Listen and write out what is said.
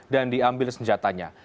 dan diambil senjatanya